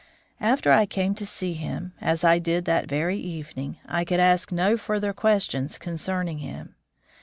After I came to see him (as I did that very evening), I could ask no further questions concerning him.